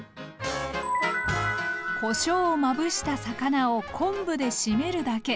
こしょうをまぶした魚を昆布でしめるだけ。